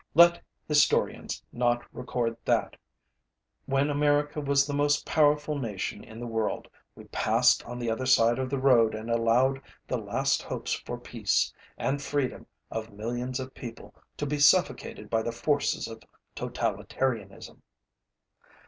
Let historians not record that, when America was the most powerful nation in the world, we passed on the other side of the road and allowed the last hopes for peace and freedom of millions of people to be suffocated by the forces of totalitarianism.